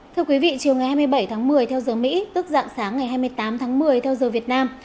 thưa quý vị chiều ngày hai mươi bảy tháng một mươi theo giờ mỹ tức dạng sáng ngày hai mươi tám tháng một mươi theo giờ việt nam